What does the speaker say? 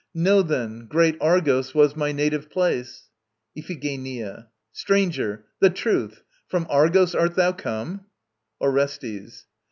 Know then, great Argos was my native place. IPHIGENIA. Stranger! The truth! ... From Argos art thou come? ORESTES.